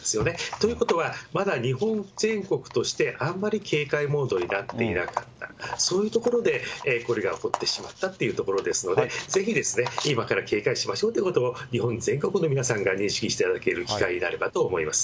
ということは、まだ日本全国としてあんまり警戒モードになっていなかった、そういうところで、これが起こってしまったっていうところですので、ぜひ今から警戒しましょうということを、日本全国の皆さんが認識していただける機会になればと思います。